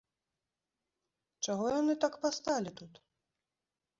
Чаго яны так пасталі тут?